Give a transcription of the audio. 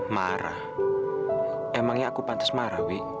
marah emangnya aku pantas marah wi